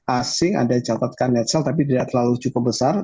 asing ada dicatatkan netsel tapi tidak terlalu cukup besar